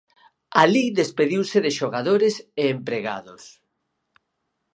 Alí despediuse de xogadores e empregados.